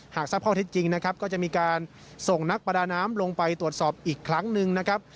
ทราบข้อเท็จจริงนะครับก็จะมีการส่งนักประดาน้ำลงไปตรวจสอบอีกครั้งหนึ่งนะครับ